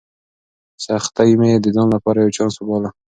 سختۍ مې د ځان لپاره یو چانس وباله.